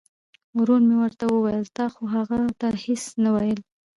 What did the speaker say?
ورو مې ورته وویل تا خو هغه ته هیڅ نه ویل.